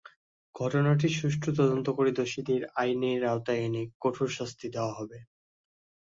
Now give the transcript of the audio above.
ঘটনাটির সুষ্ঠু তদন্ত করে দোষীদের আইনের আওতায় এনে কঠোর শাস্তি দেওয়া হবে।